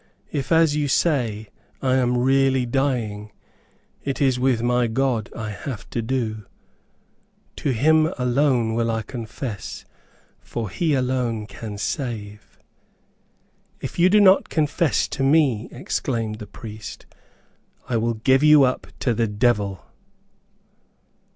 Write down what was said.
If, as you say, I am really dying, it is with my God I have to do; to him alone will I confess, for he alone can save." "If you do not confess to me," exclaimed the priest, "I will give you up to the devil."